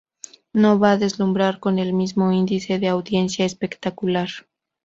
No va a deslumbrar con el mismo índice de audiencia espectacular.